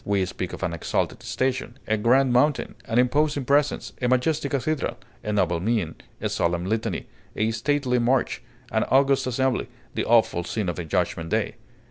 We speak of an exalted station, a grand mountain, an imposing presence, a majestic cathedral, a noble mien, a solemn litany, a stately march, an august assembly, the awful scene of the Judgment Day.